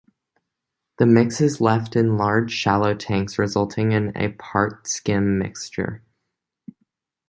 The mix is left in large shallow tanks resulting in a part skim mixture.